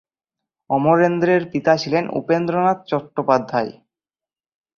অমরেন্দ্রের পিতা ছিলেন ছিলেন উপেন্দ্রনাথ চট্টোপাধ্যায়।